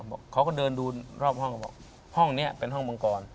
เค้าก็เดินดูรอบห้องห้องเนี่ยเป็นห้องมังกร